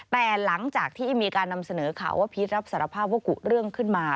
แต่หลังจากที่มีการนำเสนอข่าวว่าพีชรับสารภาพว่ากุเรื่องขึ้นมา